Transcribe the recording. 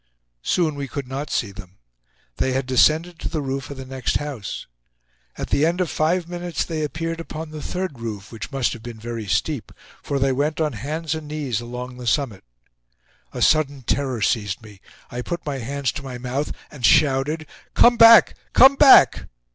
Soon we could not see them. They had descended to the roof of the next house. At the end of five minutes they appeared upon the third roof, which must have been very steep, for they went on hands and knees along the summit. A sudden terror seized me. I put my hands to my mouth and shouted: "Come back! Come back!"